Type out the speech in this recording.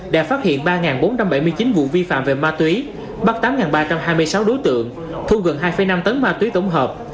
đã phát hiện ba bốn trăm bảy mươi chín vụ vi phạm về ma túy bắt tám ba trăm hai mươi sáu đối tượng thu gần hai năm tấn ma túy tổng hợp